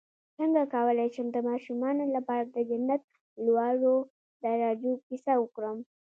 څنګه کولی شم د ماشومانو لپاره د جنت لوړو درجو کیسه وکړم